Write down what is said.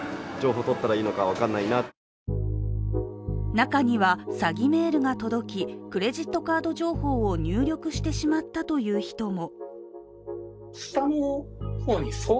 中には詐欺メールが届きクレジットカード情報を入力してしまったという人も。